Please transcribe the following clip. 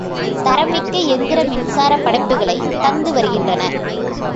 தரம் மிக்க எந்திர மின்சாரப் படைப்புகளைத் தந்து வருகின்றனர்.